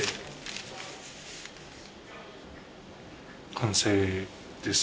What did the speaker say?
完成です。